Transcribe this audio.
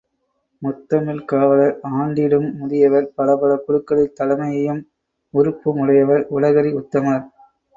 முத்தமிழ்க் காவலர், ஆண்டிலும் முதியவர், பல பல குழுக்களில் தலைமையும் உறுப்பும் உடையவர், உலகறி உத்தமர்.